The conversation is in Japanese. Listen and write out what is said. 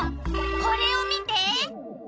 これを見て！